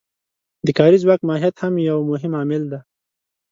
د کاري ځواک ماهیت هم یو مهم عامل دی